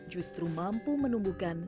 justru mampu menumbuhkan